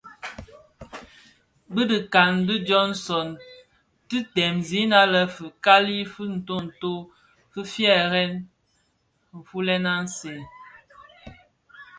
Bi dhikan di Johnson ti dhem zina lè fikali fi ntonto fi fyèri nfulèn aň sèè.